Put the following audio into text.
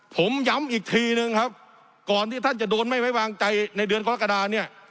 ผมย้ำอีกทีนึงครับก่อนที่ท่านจะโดนไม่ไว้วางใจในเดือนกรกฎาเนี่ย